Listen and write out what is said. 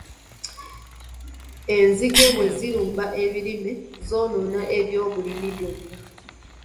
Enzige bwe zirumba ebirime, zoonoona ebyobulimi byonna.